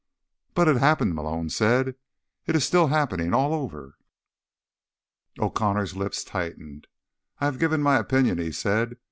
"But it happened," Malone said. "It's still happening. All over." O'Connor's lips tightened. "I have given my opinion," he said.